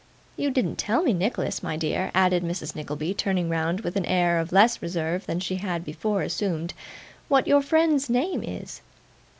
You didn't tell me, Nicholas, my dear,' added Mrs. Nickleby, turning round with an air of less reserve than she had before assumed, 'what your friend's name is.